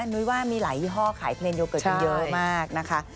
นุ้ยว่ามีหลายยี่ห้อขายเพลงโยเกิร์ตกันเยอะมากนะคะ